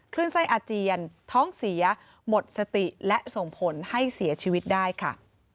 ขึ้นไส้อาเจียนท้องเสียหมดสติและส่งผลให้เสียชีวิตได้ค่ะ